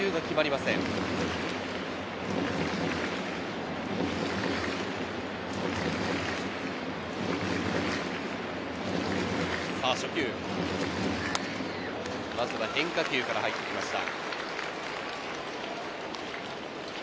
まずは変化球から入りました。